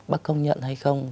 bác công nhận hay không